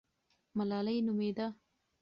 ملالۍ نومېده.